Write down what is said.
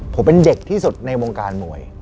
ผมเป็นเด็กที่สุดในวงการมวย